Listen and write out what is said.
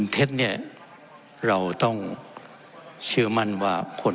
เพราะฉะนั้น